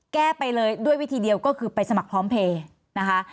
แก้ไปเลยด้วยวิธีเดียวก็คือไปสมัครพร้อมเพลย์นะคะ